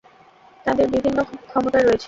তাদের বিভিন্ন ক্ষমতা রয়েছে।